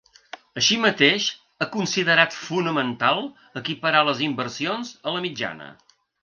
Així mateix, ha considerat “fonamental” equiparar les inversions a la mitjana.